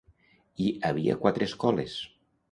Hi havia quatre escoles.